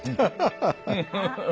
ハハハハッ。